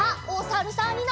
おさるさん。